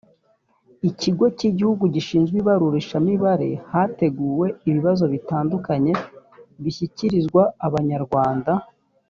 ikigo cy igihugu gishinzwe ibarurishamibare hateguwe ibibazo bitandukanye bishyikirizwa abanyarwanda